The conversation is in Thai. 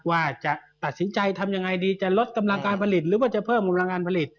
ว่าจะตัดสินใจทำยังไงดีจะลดกำลังการผลิตหรือว่าจะเพิ่มกำลังการผลิต